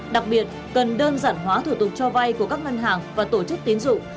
đặc biệt cần đơn giản hóa thủ tục cho vay của các ngân hàng và tổ chức tiến dụng